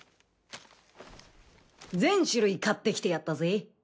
全種類買ってきてやったぜ。